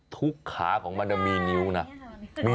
ทุกขาของมันมีนิ้วนะมีถึง๖นิ้วนี่ไงคุณสังเกตสิ